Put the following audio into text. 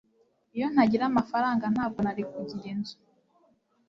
Iyo ntagira amafaranga ntabwo nari kugira inzu.